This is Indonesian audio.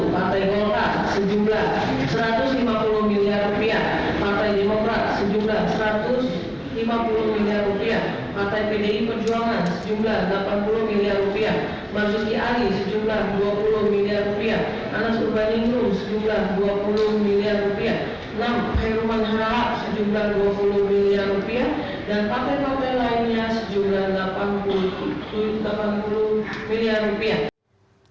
pertemuan tersebut andi agustinus alias andi nanggok akan memberikan uang sejumlah rp lima puluh miliar kepada beberapa pihak diantaranya